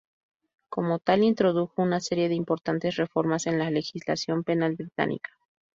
Como tal, introdujo una serie de importantes reformas en la legislación penal británica.